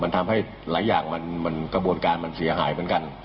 มันทำให้หลายอย่างมันกระบวนการมันเสียหายเหมือนกัน